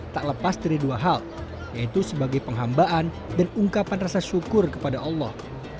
tak lepas dari dua hal yaitu sebagai penghambaan dan ungkapan rasa syukur kepada allah